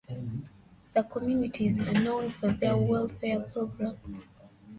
The communists are known for their welfare programs.